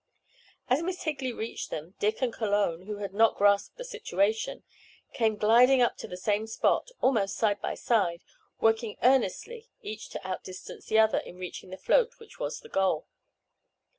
As Miss Higley reached them, Dick and Cologne, who had not grasped the situation, came gliding up to the same spot, almost side by side, working earnestly, each to outdistance the other in reaching the float which was the goal.